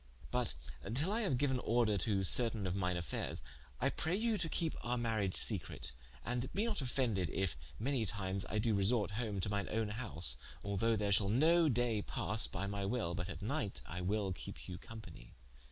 But till I haue giuen order to certaine of mine affaires, I praye you to kepe our mariage secrete, and bee not offended if many times I do resorte home to mine own house, although ther shall no day passe (by my wil) but at night I wil kepe you companie.